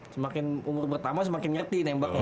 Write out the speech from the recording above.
semakin umur bertambah semakin ngerti nembaknya